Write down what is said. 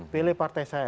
pilih partai saya